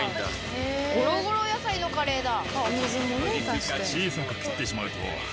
ゴロゴロ野菜のカレーだ。